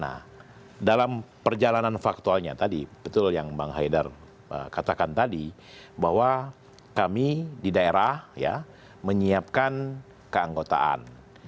nah dalam perjalanan faktualnya tadi betul yang bang haidar katakan tadi bahwa kami di daerah ya menyiapkan keanggotaan